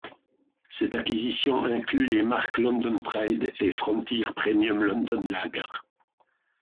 Cette acquisition inclut les marques London Pride et Frontier Premium London Lager.